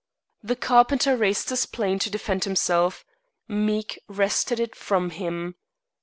The carpenter raised his plane to defend himself. Meek wrested it from him.